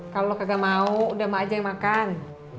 kalau lo kagak mau udah mak aja yang makan